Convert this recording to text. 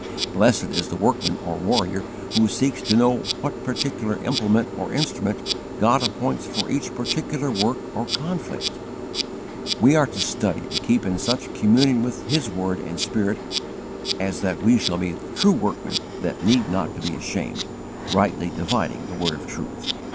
Blessed is the workman or warrior who seeks to know what particular implement or instrument God appoints for each particular work or conflict. We are to study to keep in such communion with His word and Spirit as that we shall be true workmen that need "not to be ashamed, rightly dividing the word of truth."